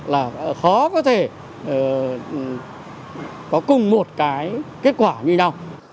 đó có thể có cùng một cái kết quả như nào